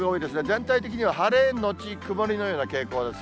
全体的には晴れ後曇りのような傾向です。